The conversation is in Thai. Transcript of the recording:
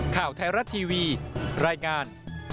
ข่าวไทยรัฐทีวีรายงาน